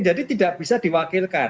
jadi tidak bisa diwakilkan